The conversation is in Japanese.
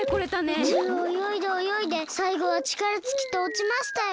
宇宙をおよいでおよいでさいごはちからつきておちましたよ。